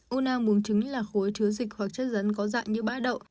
u nang buông trứng là khối chứa dịch hoặc chất dẫn có dạng như bãi đậu